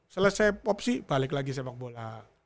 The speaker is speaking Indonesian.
selesai popsi balik lagi sepak bola